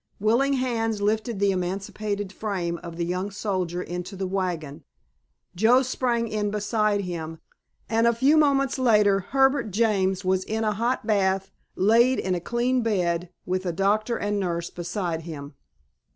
Willing hands lifted the emaciated frame of the young soldier into the wagon, Joe sprang in beside him, and a few moments later Herbert James was in a hot bath, laid in a clean bed, with a doctor and nurse beside him.